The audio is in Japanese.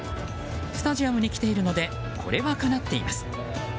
スタジアムに来ているのでこれはかなっています。